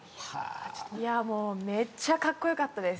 いやもうめっちゃカッコ良かったです。